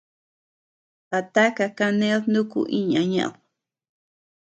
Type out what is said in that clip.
¿A taka kaned nuku iña ñeʼed?